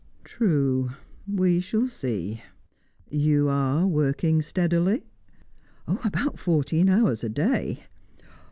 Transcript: "True; we shall see. You are working steadily?" "About fourteen hours a day."